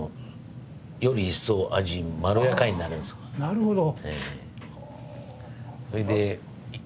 なるほど。